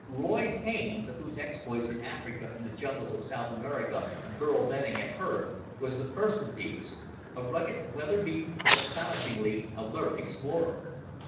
Roy Haines, of whose exploits in Africa and the jungles of South America Burl Denning had heard, was the first of these, a rugged, weather beaten, but astonishingly alert explorer.